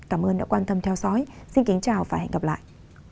cảm ơn đã quan tâm theo dõi xin kính chào và hẹn gặp lại